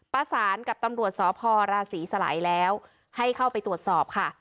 ประสานกับตำรวจสพราศีสลัยแล้วให้เข้าไปตรวจสอบค่ะ